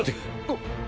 あっ。